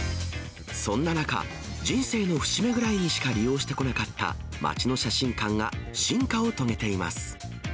そんな中、人生の節目ぐらいにしか利用してこなかった街の写真館が、進化を遂げています。